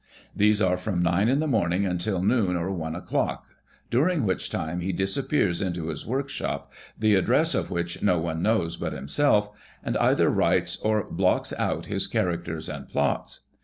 These are from nine in the morning until noon or one o'clock, during which time he disappears into his workshop, the address of wliich no one knows but himself, and either writes or blocks out his characters and plots.